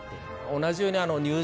同じように。